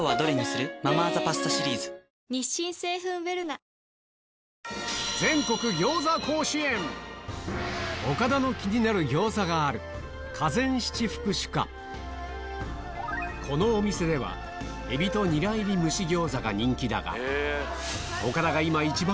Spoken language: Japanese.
ハロー岡田の気になる餃子があるこのお店では海老とニラ入り蒸し餃子が人気だが岡田が今一番